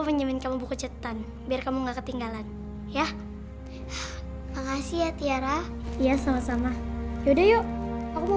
pinjaman kamu buku cetan biar kamu nggak ketinggalan ya makasih ya tiara ya sama sama yaudah yuk aku mau